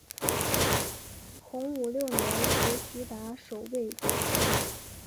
洪武六年随徐达守卫北平。